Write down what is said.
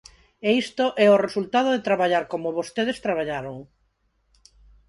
E isto é o resultado de traballar como vostedes traballaron.